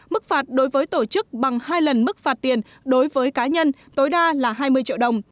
mức phạt đối với tổ chức bằng hai lần mức phạt tiền đối với cá nhân tối đa là hai mươi triệu đồng